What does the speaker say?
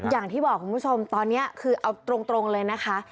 อย่างที่บอกคุณผู้ชมตอนนี้คือเอาตรงเลยนะคะ